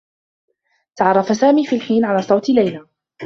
تعرّف سامي في الحين على صوت ليلى.